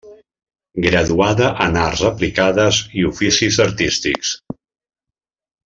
Graduada en Arts Aplicades i Oficis Artístics.